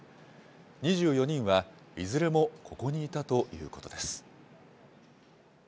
２４人はいずれもここにいたということです。